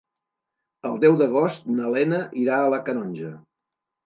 El deu d'agost na Lena irà a la Canonja.